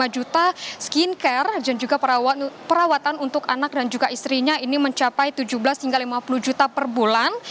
lima juta skincare dan juga perawatan untuk anak dan juga istrinya ini mencapai tujuh belas hingga lima puluh juta per bulan